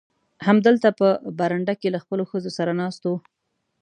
همدلته په برنډه کې له خپلو ښځو سره ناست و.